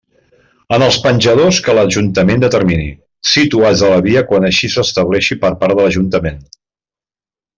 En els penjadors que l'ajuntament determini, situats a la via quan així s'estableixi per part de l'Ajuntament.